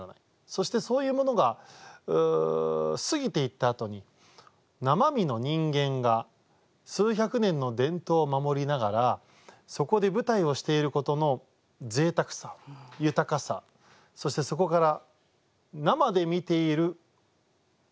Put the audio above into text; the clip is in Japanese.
そしてそういうものが過ぎていったあとに生身の人間が数百年の伝統を守りながらそこで舞台をしていることのぜいたくさ豊かさそしてそこから生で見ている喜び